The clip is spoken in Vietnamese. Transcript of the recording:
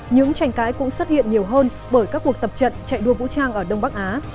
những tranh cãi cũng xuất hiện nhiều hơn bởi các cuộc tập trận chạy đua vũ trang ở đông bắc á